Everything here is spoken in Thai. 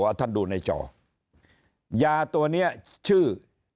ท่านดูในจอยาตัวเนี้ยชื่อ